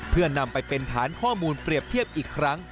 เพื่อนำไปเป็นฐานข้อมูลเปรียบเทียบอีกครั้ง